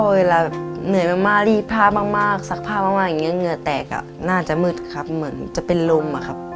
เวลาเหนื่อยมากรีบพาบาลตาลมากสักพาบ